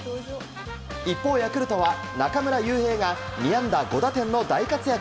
一方、ヤクルトは中村悠平が２安打５打点の大活躍。